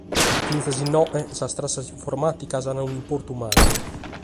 Fintzas inoghe sas trassas informàticas ant un’importu mannu.